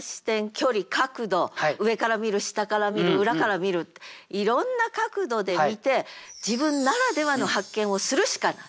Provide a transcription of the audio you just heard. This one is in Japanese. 距離角度上から見る下から見る裏から見るっていろんな角度で見て自分ならではの発見をするしかない。